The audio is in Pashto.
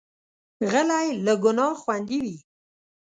غلی، له ګناه خوندي وي.